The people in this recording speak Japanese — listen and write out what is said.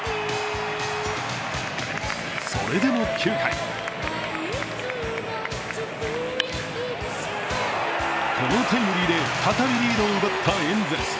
それでも９回このタイムリーで再びリードを奪ったエンゼルス。